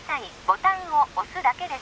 ボタンを押すだけです